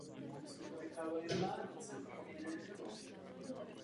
Především právě úspora nafty vede zákazníky k zadávání těchto modernizací.